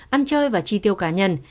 ăn chơi và chi tiêu cá nhân